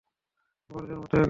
বজ্রের মতো এগোও!